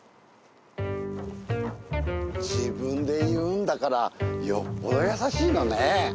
自分で言うんだからよっぽど優しいのね。